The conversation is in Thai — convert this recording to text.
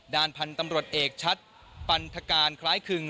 พันธุ์ตำรวจเอกชัดปันทการคล้ายคึง